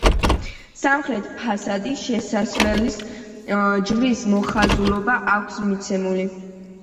სამხრეთ ფასადის შესასვლელს ჯვრის მოხაზულობა აქვს მიცემული.